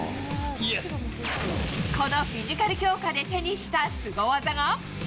このフィジカル強化で手にしたスゴ技が。